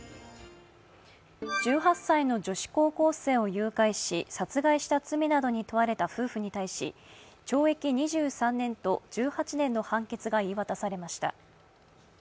１８歳の女子高校生を誘拐し殺害した罪などに対し、懲役２３年と１８年の判決が言い渡されました。